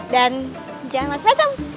dan jangan macem macem